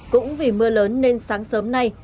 cũng vì mưa lớn nên sáng sớm nay